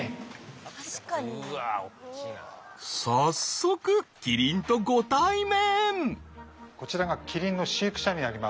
早速キリンとご対面！